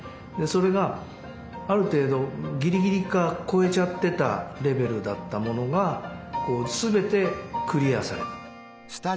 それがある程度ぎりぎりか超えちゃってたレベルだったものがすべてクリアされたと。